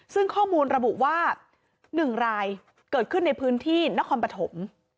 ซึ่งข้อมูลระบุว่า๑รายเกิดขึ้นในพื้นที่นครปฐม